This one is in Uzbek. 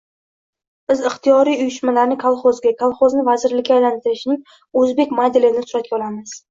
biz ixtiyoriy uyushmalarni kolxozga, kolxozni vazirlikka aylantirishning o'zbek modelini suratga olamiz